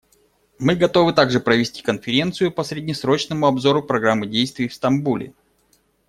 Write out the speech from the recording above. Мы готовы также провести конференцию по среднесрочному обзору Программы действий в Стамбуле.